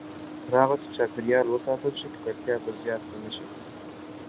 تر هغه چې چاپېریال وساتل شي، ککړتیا به زیاته نه شي.